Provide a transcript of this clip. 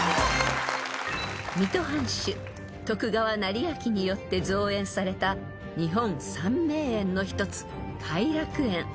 ［水戸藩主徳川斉昭によって造園された日本三名園の一つ偕楽園］